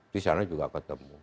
disana juga ketemu